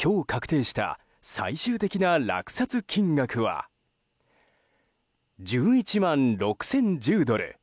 今日確定した最終的な落札金額は１１万６０１０ドル